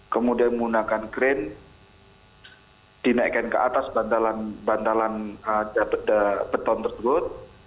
kemudian menggunakan krain dinaikkan ke atas bantalan beton tersebut